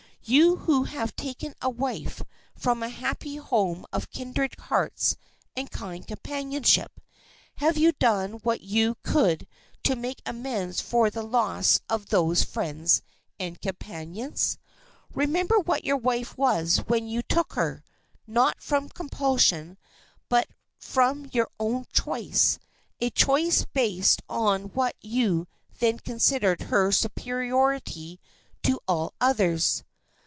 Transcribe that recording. You who have taken a wife from a happy home of kindred hearts and kind companionship, have you done what you could to make amends for the loss of those friends and companions? Remember what your wife was when you took her, not from compulsion, but from your own choice—a choice based on what you then considered her superiority to all others.